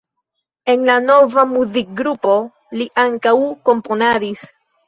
En la nova muzikgrupo li ankaŭ komponadis.